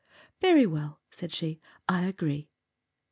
"Very well," said she. "I agree."